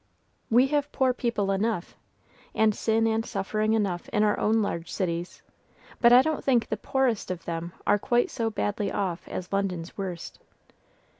We have poor people enough, and sin and suffering enough in our own large cities, but I don't think the poorest of them are quite so badly off as London's worst.